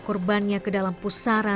karena dia tahu semua